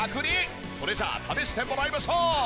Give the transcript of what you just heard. それじゃあ試してもらいましょう。